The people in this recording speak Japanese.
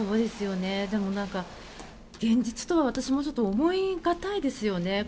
でも、現実とは思いがたいですよね。